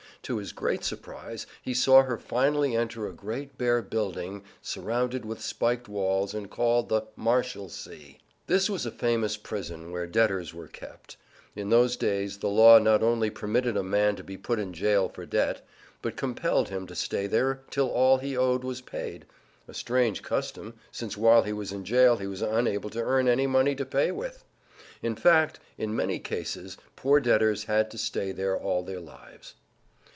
To his great surprise he saw her finally enter a great bare building surrounded with spiked walls and called The Marshalsea. This was a famous prison where debtors were kept. In those days the law not only permitted a man to be put in jail for debt, but compelled him to stay there till all he owed was paid a strange custom, since while he was in jail he was unable to earn any money to pay with. In fact, in many cases poor debtors had to stay there all their lives.